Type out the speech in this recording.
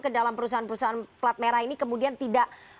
ke dalam perusahaan perusahaan plat merah ini kemudian tidak